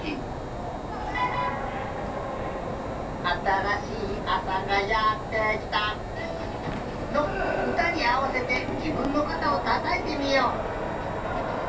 「あたらしいあさがやってきた」のうたにあわせてじぶんのかたをたたいてみよう！